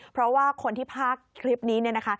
เพราะว่าคนที่พากคลิปนี้เนี่ยนะคะ